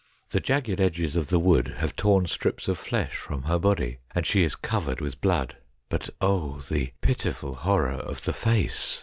The jagged edges of the wood have torn strips of flesh from her body, and she is covered with blood. But, oh ! the pitiful horror of the face